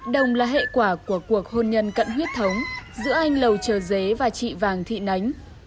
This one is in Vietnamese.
đồng là hệ quả của cuộc hôn nhân cận huyết thống giữa anh lầu trời dế và chị vàng thị nánh